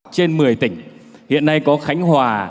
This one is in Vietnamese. trên một mươi tỉnh hiện nay có khánh hòa